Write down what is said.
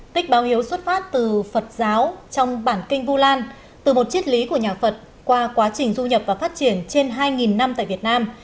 tích báo hiếu xuất phát từ phật giáo trong bản kinh vu lan từ một triết lý của nhà phật qua quá trình du nhập và phát triển trên hai năm tại việt nam